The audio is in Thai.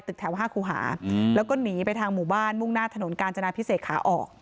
ตึกแถว๕ครูหาแล้วก็หนีไปทางหมู่บ้านมุ่งหน้าถนนกาญจนาพิเศษขาออก